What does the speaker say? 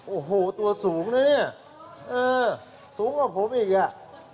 โอ้โหตัวสูงนะเนี่ยเออสูงกว่าผมอีกอ่ะ